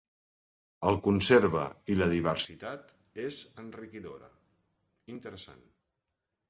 El conserva i la diversitat és enriquidora; interessant.